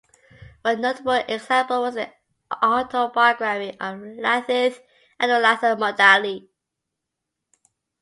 One notable example was an autobiography of Lalith Athulathmudali.